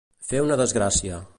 Fer una desgràcia.